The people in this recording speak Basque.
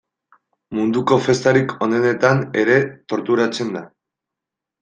Munduko festarik onenetan ere torturatzen da.